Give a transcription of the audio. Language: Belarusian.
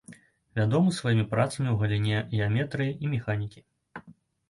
Вядомы сваімі працамі ў галіне геаметрыі і механікі.